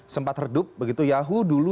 sempat redup begitu yahu dulu